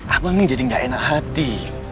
aku ini jadi gak enak hati